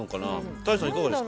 多江さん、いかがですか。